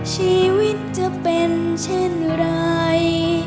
ชีวิตจะเป็นเช่นไร